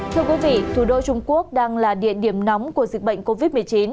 thưa quý vị thủ đô trung quốc đang là địa điểm nóng của dịch bệnh covid một mươi chín